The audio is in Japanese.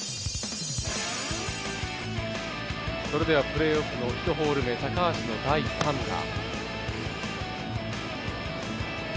プレーオフの１ホール目、高橋の第３打。